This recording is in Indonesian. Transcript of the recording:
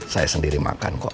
saya sendiri makan kok